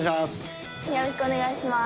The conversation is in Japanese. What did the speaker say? よろしくお願いします。